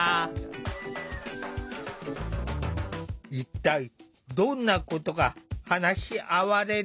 一体どんなことが話し合われるのか？